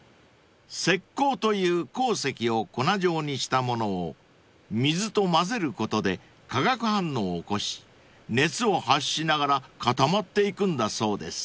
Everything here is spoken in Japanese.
［石こうという鉱石を粉状にしたものを水と混ぜることで化学反応を起こし熱を発しながら固まっていくんだそうです］